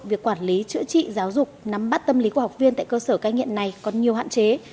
việc quản lý chữa trị giáo dục nắm bắt tâm lý của học viên tại cơ sở cai nghiện này còn nhiều hạn chế